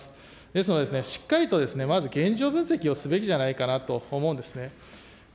ですので、しっかりとまず現状分析をすべきじゃないかなという思うんですよね。